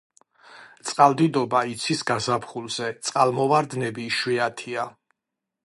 წყალდიდობა იცის გაზაფხულზე, წყალმოვარდნები იშვიათია.